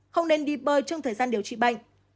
không nên đi bơi trong thời gian điều trị bệnh